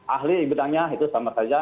ahli bidangnya itu sama saja